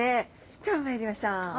では参りましょう。